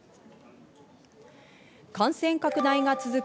感染拡大が続く